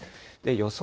予想